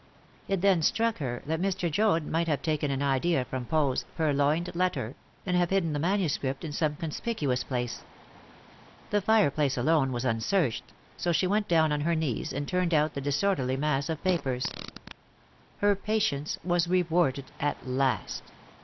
It then struck her that Mr. Joad might have taken an idea from Poe's "Purloined Letter," and have hidden the manuscript in some conspicuous place. The fireplace alone was unsearched, so she went down on her knees and turned out the disorderly mass of papers. Her patience was rewarded at last.